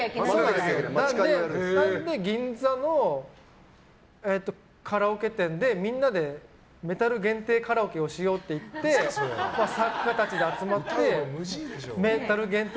なので、銀座のカラオケ店でみんなでメタル限定カラオケをしようって言って作家たちで集まってメタル限定